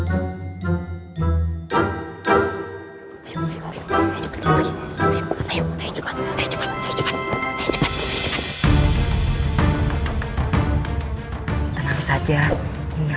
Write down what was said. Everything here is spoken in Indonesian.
ambil pakaian itu